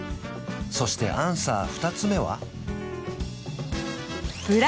そしてアンサー２つ目は？